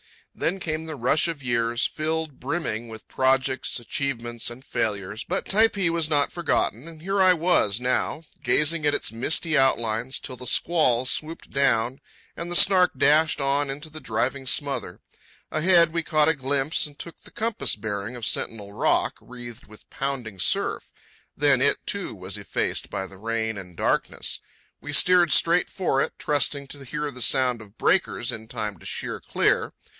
Then came the rush of years, filled brimming with projects, achievements, and failures; but Typee was not forgotten, and here I was now, gazing at its misty outlines till the squall swooped down and the Snark dashed on into the driving smother. Ahead, we caught a glimpse and took the compass bearing of Sentinel Rock, wreathed with pounding surf. Then it, too, was effaced by the rain and darkness. We steered straight for it, trusting to hear the sound of breakers in time to sheer clear.